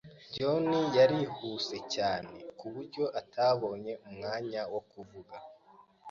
John yarihuse cyane kuburyo atabonye umwanya wo kuvuga.